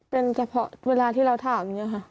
เป็นเฉพาะเวลาที่เราถามอย่างนี้ค่ะ